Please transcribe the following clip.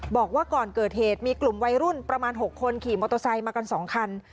บอกว่าก่อนเกิดเหตุมีกลุ่มวัยรุ่นประมาณ๖คนขี่มอเตอร์ไซค์มากัน๒คัน